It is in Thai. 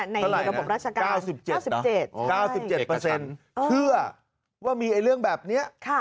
ในระบบราชการ๙๗เชื่อว่ามีเรื่องแบบนี้